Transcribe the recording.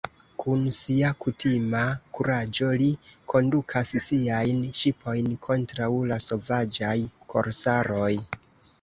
Kun sia kutima kuraĝo li kondukas siajn ŝipojn kontraŭ la sovaĝaj korsaroj.